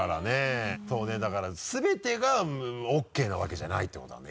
そうねだから全てがＯＫなわけじゃないってことなんだ。